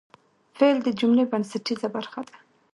فعل د جملې بنسټیزه برخه ده.